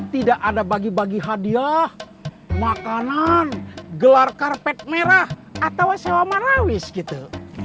tidak ada bagi bagi hadiah makanan gelar karpet merah atau sewa manawis gitu